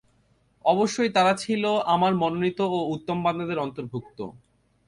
অবশ্যই তারা ছিল আমার মনোনীত ও উত্তম বান্দাদের অন্তর্ভুক্ত।